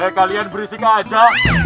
eh kalian berisik aja